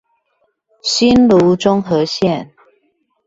新蘆中和線